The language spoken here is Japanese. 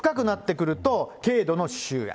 深くなってくると、軽度の歯周炎。